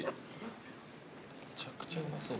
めちゃくちゃうまそう。